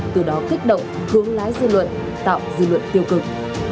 từ đó kích động hướng lái dư luận tạo dư luận tiêu cực